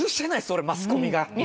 俺マスコミが。